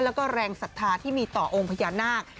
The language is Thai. แล้วก็แรงศรัทธาที่มีต่อองค์พญานาค